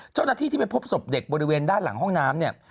เจ้าหน้าที่ที่ไปพบศพเด็กบริเวณด้านหลังห้องน้ำเนี่ย